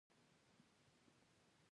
توپک د وژنې، ظلم او وحشت سمبول دی